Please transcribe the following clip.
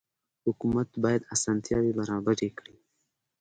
حکومت باید اسانتیاوې برابرې کړي.